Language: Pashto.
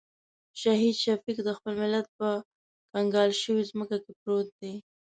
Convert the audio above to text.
شهید شفیق د خپل ملت په کنګال شوې ځمکه کې پروت دی.